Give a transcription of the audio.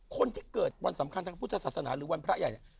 คนที่เกิดวันสำคัญทางพระพุทธศาสนาหรือวันพระใหญ่เนี่ย